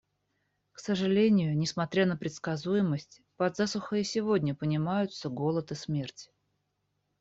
К сожалению, несмотря на предсказуемость, под засухой и сегодня понимаются голод и смерть.